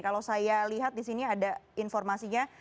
kalau saya lihat di sini ada informasinya